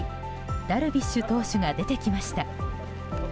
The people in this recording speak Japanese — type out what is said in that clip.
ダルビッシュ投手が出てきました。